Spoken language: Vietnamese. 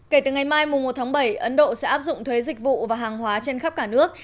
kể từ ngày mai một tháng bảy ấn độ sẽ áp dụng thuế dịch vụ và hàng hóa trên khắp cả nước